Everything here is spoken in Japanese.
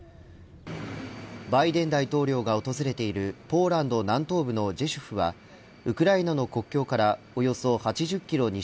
バイデン大統領が訪れているポーランド南東部のジェシュフはウクライナの国境からおよそ８０キロ